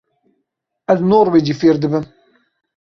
Ez norwecî fêr dibim.